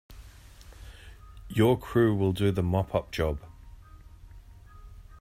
Your crew will do the mop up job.